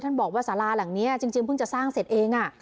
บอกว่าสาราหลังนี้จริงเพิ่งจะสร้างเสร็จเอง